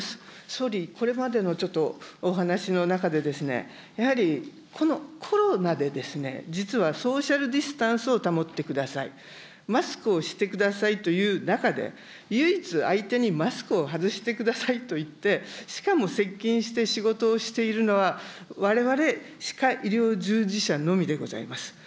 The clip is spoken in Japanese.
総理、これまでのちょっとお話しの中でですね、やはりこのコロナで、実はソーシャルディスタンスを保ってください、マスクをしてくださいという中で、唯一、相手にマスクを外してくださいと言って、しかも接近して仕事をしているのは、われわれ歯科医療従事者のみでございます。